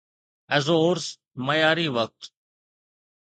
Azores معياري وقت